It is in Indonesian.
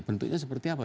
bentuknya seperti apa